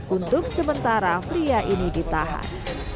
untuk sementara pria ini ditahan